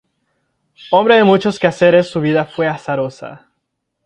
Hombre de muchos quehaceres, su vida fue azarosa.